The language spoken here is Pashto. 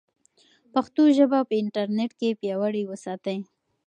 پښتو ژبه په انټرنیټ کې پیاوړې وساتئ.